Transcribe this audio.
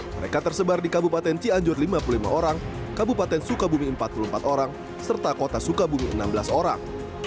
mereka tersebar di kabupaten cianjur lima puluh lima orang kabupaten sukabumi empat puluh empat orang serta kota sukabumi enam belas orang